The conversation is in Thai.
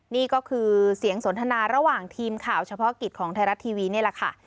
นี่ก็คือเสียงสนทนาระหว่างทีมข่าวเฉพาะกิจของไทยรัฐทีวีนี่แหละค่ะ